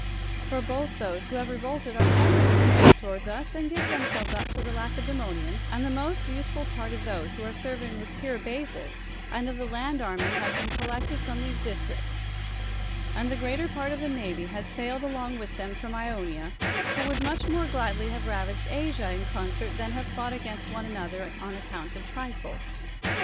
For both those who have revolted are friendly disposed towards us and give themselves up to the Lacedemonians, and the most useful part of those who are serv ing with Tiribazus and of the land army have been collected from these districts, and the greater part of the navy has sailed along with them from Ionia, who w^ould much more gladly have ravaged Asia in concert than, have fought against one another on account of trifles.